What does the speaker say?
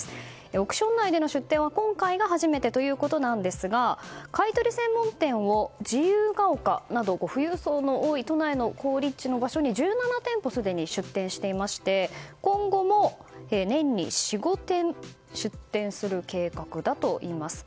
億ション内での出店は今回が初めてということですが買い取り専門店を自由が丘など富裕層の多い都内の好立地の場所に１７店舗すでに出店していまして今後も、年に４５店出店する計画だといいます。